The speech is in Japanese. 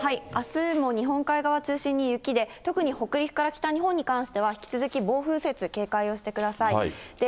あすも日本海側を中心に雪で、特に北陸から北日本に関しては、引き続き暴風雪警戒をしてください。